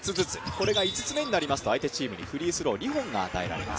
これが５つ目になりますと相手チームにフリースローが２本与えられます。